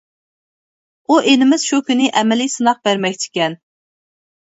ئۇ ئىنىمىز شۇ كۈنى ئەمەلىي سىناق بەرمەكچىكەن.